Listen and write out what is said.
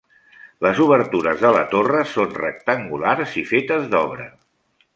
Les obertures de la torre són rectangulars i fetes d'obra.